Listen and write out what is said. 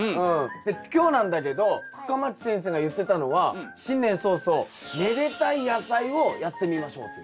で今日なんだけど深町先生が言ってたのは新年早々めでたい野菜をやってみましょうという。